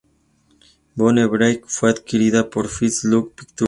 Bone Breaker fue adquirida por First Look Pictures.